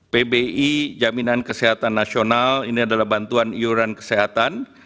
pbi jaminan kesehatan nasional ini adalah bantuan iuran kesehatan